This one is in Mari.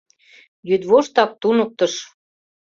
Йӱдвоштак туныктыш.